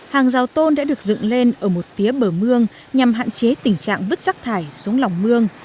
hàng rào tôn đã được dựng lên ở một phía bờ mương nhằm hạn chế tình trạng vứt rác thải xuống lòng mương